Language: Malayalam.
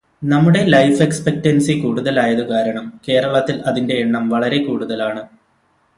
നമ്മുടെ ലൈഫ് എക്സ്പെറ്റെൻസി കൂടുതലായതു കാരണം കേരളത്തിൽ അതിന്റെ എണ്ണം വളരെ കൂടുതലാണ്